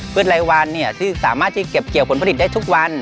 รายวันที่สามารถที่เก็บเกี่ยวผลผลิตได้ทุกวัน